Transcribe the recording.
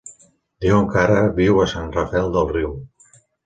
Diuen que ara viu a Sant Rafel del Riu.